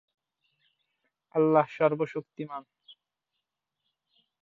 Roller স্কেটিং-র, অতীত এবং বর্তমান ঐতিহ্যের।